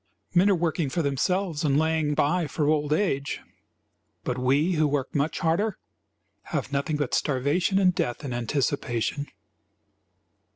Men are working for themselves and laying by for old age, but we, who work much harder, have nothing but starvation and death in anticipation.